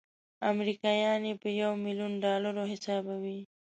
امریکایان یې په یو میلیون ډالرو حسابوي.